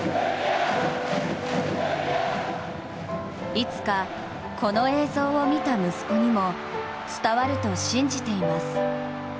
いつか、この映像を見た息子にも伝わると信じています。